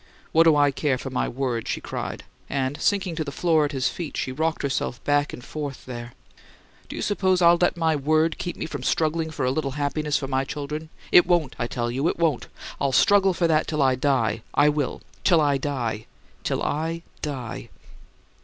"What do I care for my word?" she cried, and, sinking to the floor at his feet, rocked herself back and forth there. "Do you suppose I'll let my 'word' keep me from struggling for a little happiness for my children? It won't, I tell you; it won't! I'll struggle for that till I die! I will, till I die till I die!"